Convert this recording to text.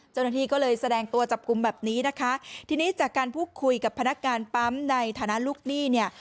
เจ้าหน้าที่ก็เลยแสดงตัวจับกลุ่มแบบนี้นะคะทีนี้จากการพูดคุยกับพนักงานปั๊มในฐานะลูกหนี้เนี่ย